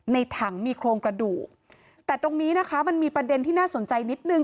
ในถังมีโครงกระดูกแต่ตรงนี้นะคะมันมีประเด็นที่น่าสนใจนิดนึง